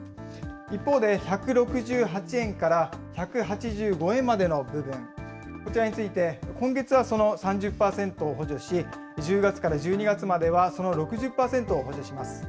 一方で、１６８円から１８５円までの部分、こちらについて、今月はその３０％を補助し、１０月から１２月まではその６０％を補助します。